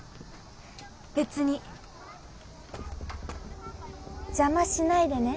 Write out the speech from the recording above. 別に邪魔しないでね